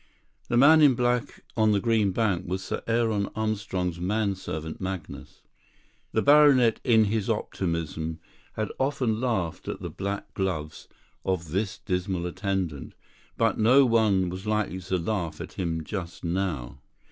The man in black on the green bank was Sir Aaron Armstrong's man servant Magnus. The baronet in his optimism had often laughed at the black gloves of this dismal attendant; but no one was likely to laugh at him just now.